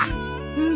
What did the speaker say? うん。